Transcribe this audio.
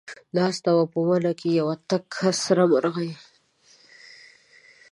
ناسته وه په ونه کې یوه تکه سره مرغۍ